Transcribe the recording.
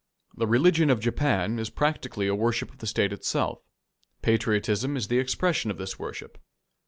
The religion of Japan is practically a worship of the State itself. Patriotism is the expression of this worship.